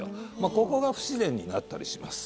ここが不自然になったりします。